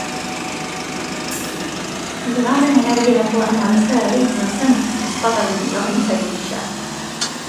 Bigarren erabilerako arma bezala erabiltzen zen, ezpataren laguntzaile gisa.